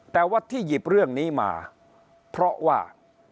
แต่ว่าที่หยิบเรื่องนี้มาเพราะว่า